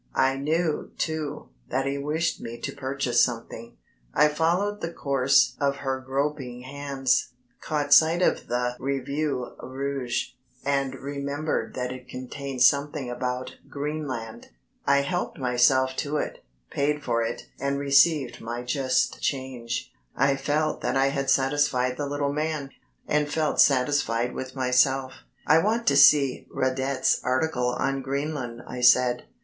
I knew, too, that he wished me to purchase something. I followed the course of her groping hands, caught sight of the Revue Rouge, and remembered that it contained something about Greenland. I helped myself to it, paid for it, and received my just change. I felt that I had satisfied the little man, and felt satisfied with myself. "I want to see Radet's article on Greenland," I said.